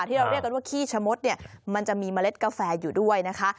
ที่เราเรียกกันว่าขี้ชะมดเนี่ยมันจะมีเมล็ดกาแฟอยู่ด้วยนะคะ